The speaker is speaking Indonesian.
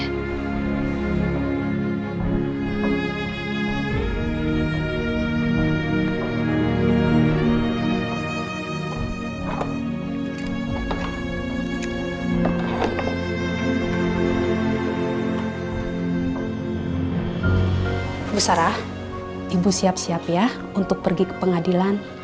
ibu sarah ibu siap siap ya untuk pergi ke pengadilan